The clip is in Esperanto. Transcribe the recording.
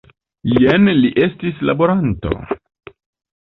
Jen li estis laboranto!